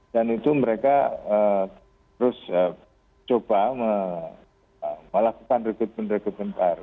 dan itu mereka terus coba melakukan rekrutmen rekrutmen baru